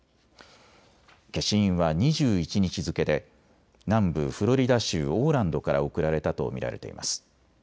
消印は２１日付けで南部フロリダ州オーランドから送られたと見られています。